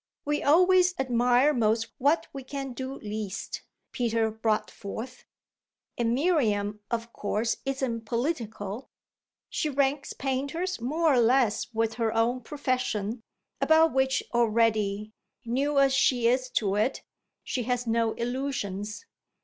"We always admire most what we can do least," Peter brought forth; "and Miriam of course isn't political. She ranks painters more or less with her own profession, about which already, new as she is to it, she has no illusions.